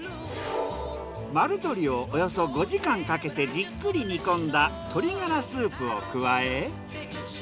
丸鶏をおよそ５時間かけてじっくり煮込んだ鶏がらスープを加え。